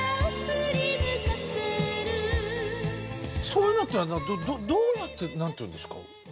そういうのってどうやって何て言うんですか？